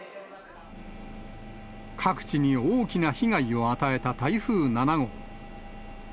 各地に大きな被害を与えた台風７号。